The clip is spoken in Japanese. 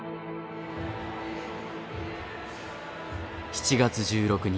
７月１６日。